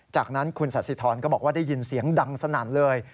จากนั้นคุณสาธิธรก็บอกว่าได้ยินเสียงดังสนั่นเลย